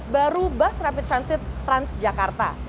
baru bus rapid transit transjakarta